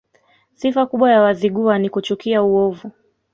Sifa kubwa ya Wazigua ni kuchukia uovu